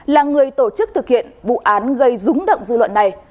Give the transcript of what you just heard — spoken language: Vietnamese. là người tổ chức thực hiện vụ án gây rúng động dư luận này